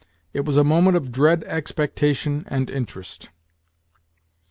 It was a moment of dread expectation and interest.